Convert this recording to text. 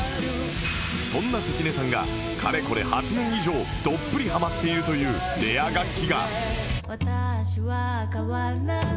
そんな関根さんがかれこれ８年以上どっぷりハマっているというレア楽器が